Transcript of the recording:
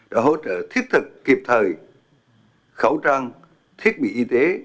đã hỗ trợ thiết thực kịp thời khẩu trang thiết bị y tế